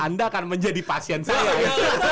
anda akan menjadi pasien saya